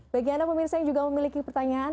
bagi anda pemirsa yang juga memiliki pertanyaan